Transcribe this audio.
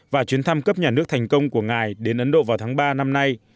và chuyến thăm cấp nhà nước thành công của ngài đến ấn độ vào tháng ba năm nay